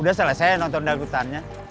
udah selesai nonton dagutannya